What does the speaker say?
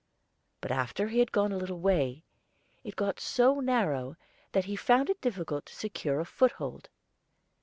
But after he had gone a little way, it got so narrow that he found it difficult to secure a foot hold.